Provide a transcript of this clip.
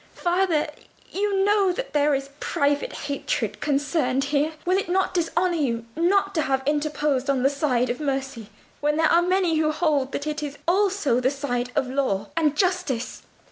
Father, you know that there is private hatred concerned here: will it not dishonour you not to have interposed on the side of mercy, when there are many who hold that it is also the side of law and justice?"